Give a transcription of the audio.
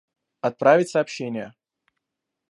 Отправить сообщение